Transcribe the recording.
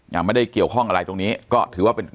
ยังไม่ได้เกี่ยวข้องอะไรตรงนี้ก็ถือว่าเป็น